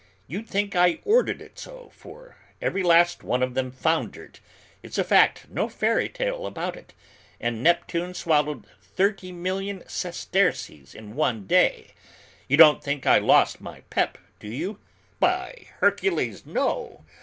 You'd think I'd ordered it so, for every last one of them foundered; it's a fact, no fairy tale about it, and Neptune swallowed thirty million sesterces in one day! You don't think I lost my pep, do you? By Hercules, no!